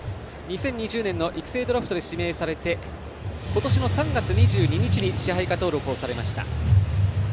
２０２０年の育成ドラフトで指名されて今年の３月２２日に支配下登録されました。